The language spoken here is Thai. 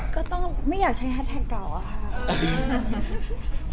ก็ต้องไม่อยากใช้ห้าตรงเก่าค่ะ